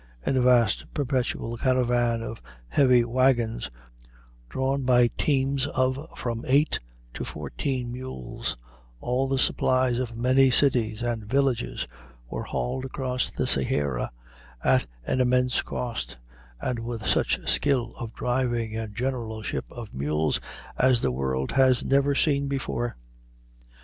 In a vast, perpetual caravan of heavy wagons, drawn by teams of from eight to fourteen mules, all the supplies of many cities and villages were hauled across the Sierra at an immense cost, and with such skill of driving and generalship of mules as the world has never seen before.